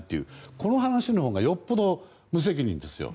この話のほうがよっぽど無責任ですよ。